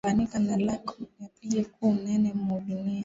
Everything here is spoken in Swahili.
Tanganika ni lac ya pili ku unene mu dunia